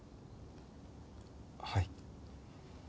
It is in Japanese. はい。